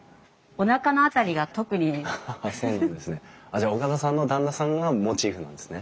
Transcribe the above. じゃあ岡田さんの旦那さんがモチーフなんですね。